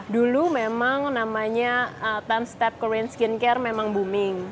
dulu memang namanya time step korean skincare memang booming